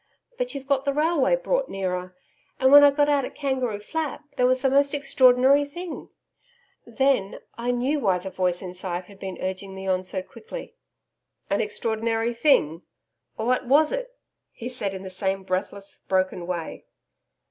But you've got the railway brought nearer, and when I got out at Kangaroo Flat there was a most extraordinary thing Then, I knew why the voice inside had been urging me on so quickly.' 'An extraordinary thing ? What was it?' he said in the same breathless, broken way.